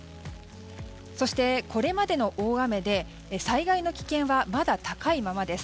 そして、これまでの大雨で災害の危険はまだ高いままです。